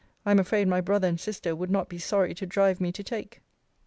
] I am afraid my brother and sister would not be sorry to drive me to take.